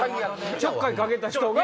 ちょっかいかけた人が。